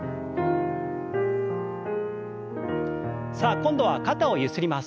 さあ今度は肩をゆすります。